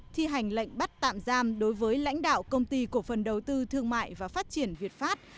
thi hành lệnh bắt tạm giam đối với lãnh đạo công ty cổ phần đầu tư thương mại và phát triển việt pháp